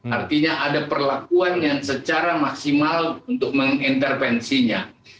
artinya ada perlakuan yang secara maksimal untuk mengintervensinya